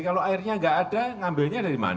kalau airnya nggak ada ngambilnya dari mana